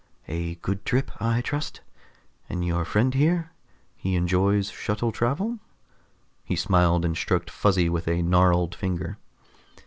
A good trip, I trust. And your friend here? He enjoys shuttle travel?" He smiled and stroked Fuzzy with a gnarled finger.